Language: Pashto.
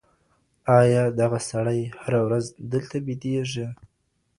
آیا دغه سړی هره ورځ دلته بېدېږي؟